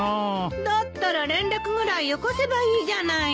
だったら連絡ぐらいよこせばいいじゃないの！